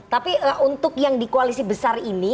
tapi untuk yang di koalisi besar ini